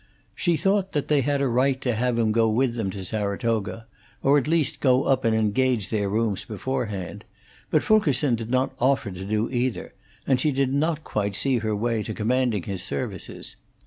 She thought that they had a right to have him go with them to Saratoga, or at least go up and engage their rooms beforehand; but Fulkerson did not offer to do either, and she did not quite see her way to commanding his services.